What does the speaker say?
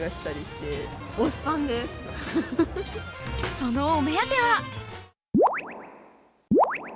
そのお目当ては？